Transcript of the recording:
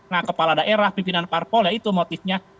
nah kepala daerah pimpinan parpol ya itu motifnya